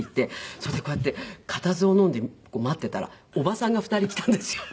それでこうやって固唾をのんで待っていたらおばさんが２人来たんですよ。